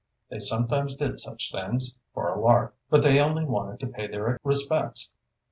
They sometimes did such things, for a lark. But they only wanted to pay their respects.